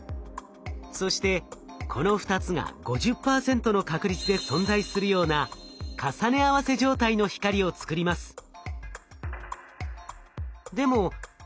そしてこの２つが５０％の確率で存在するような重ね合わせ状態の光を作ります。